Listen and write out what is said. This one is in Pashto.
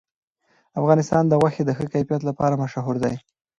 افغانستان د غوښې د ښه کیفیت لپاره مشهور دی.